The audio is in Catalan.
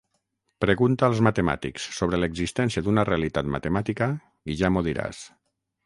Pregunta als matemàtics sobre l'existència d'una realitat matemàtica i ja m'ho diràs.